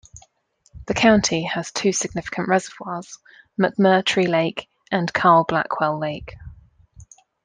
The county has two significant reservoirs: McMurtry Lake and Carl Blackwell Lake.